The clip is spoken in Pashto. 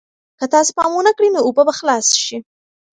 که تاسې پام ونه کړئ نو اوبه به خلاصې شي.